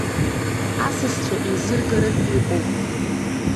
Асасцәа еизыргаран иҟоуп.